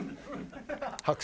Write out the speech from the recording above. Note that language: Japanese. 拍手。